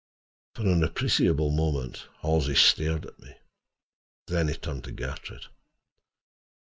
For an appreciable moment Halsey stared at me. Then he turned to Gertrude.